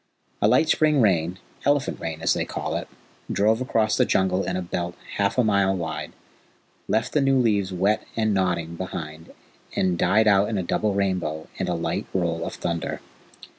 A light spring rain elephant rain they call it drove across the Jungle in a belt half a mile wide, left the new leaves wet and nodding behind, and died out in a double rainbow and a light roll of thunder.